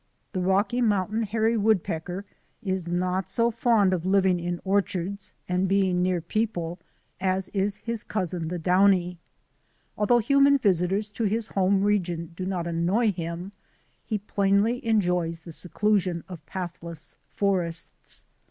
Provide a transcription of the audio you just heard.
The Rocky Moun tain hairy woodpecker is not so fond of living in orchards and being near people as is his cousin the downy. Although human visitors to his home region do not annoy him he plainly enjoys the seclusion of pathless forests.